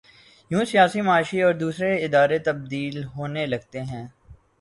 یوں سیاسی، معاشی اور دوسرے ادارے تبدیل ہونے لگتے ہیں۔